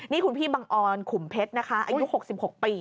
นี่คุณพี่บังออนขุมเพชรนะคะอายุ๖๖ปี